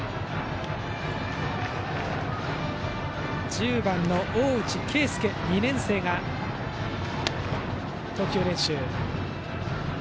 １０番の大内啓輔２年生が投球練習しています。